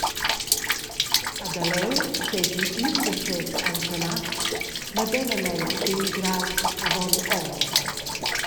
E da leu seigi in da ses antenats medemamein emigraus avon onns.